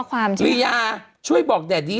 ข้อความใช่ไหม